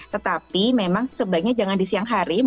tetapi memang sebaiknya jangan di siang hari mas bram